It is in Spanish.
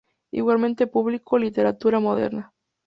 Igualmente publicó "Literatura Moderna.